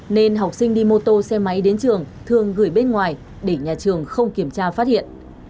nên học sinh đi mô tô xe máy đến trường thường gửi bên ngoài để nhà trường không kiểm tra phát hiện